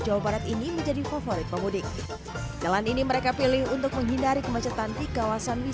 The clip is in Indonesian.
jawa barat ini menjadi favorit pemudik jalan ini mereka pilih untuk menghindari kemacetan di kawasan